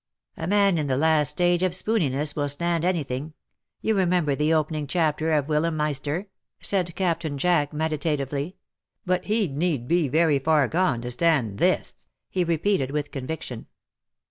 " A man in the last stage of spooniness will stand anything — you remember the opening chapter of ^ Wilhelm Meister ?^" said Captain Jack, medita tively —'* but he\l need be very far gone to stand this^^ he repeated, with conviction.